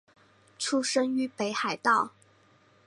出身于北海道。